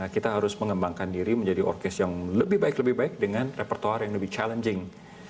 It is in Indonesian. kita harus mengembangkan diri menjadi orkes yang lebih baik lebih baik dengan repertore yang lebih challenging